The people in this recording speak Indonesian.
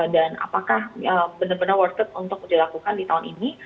dan apakah benar benar worth it untuk dilakukan di tahun ini